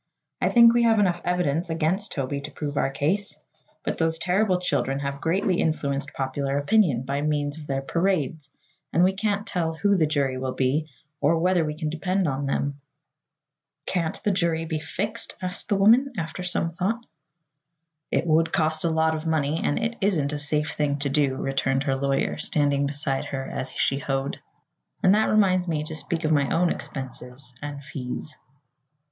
I think we have enough evidence against Toby to prove our case, but those terrible children have greatly influenced popular opinion by means of their parades and we can't tell who the jury will be, or whether we can depend on them." "Can't the jury be fixed?" asked the woman, after some thought. "It would cost a lot of money, and it isn't a safe thing to do," returned her lawyer, standing beside her as she hoed. "And that reminds me to speak of my own expenses and fees."